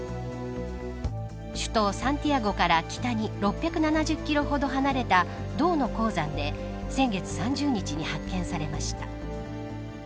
首都サンティアゴから北に６７０キロほど離れた銅の鉱山で先月３０日に発見されました。